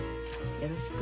よろしく。